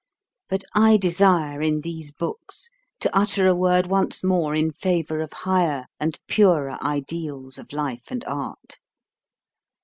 But I desire in these books to utter a word once more in favour of higher and purer ideals of life and art.